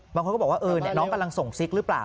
บางคนก็บอกว่าน้องกำลังส่งซิกหรือเปล่า